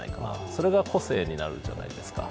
それが個性になるじゃないですか。